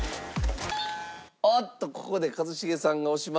おっとここで一茂さんが押しました。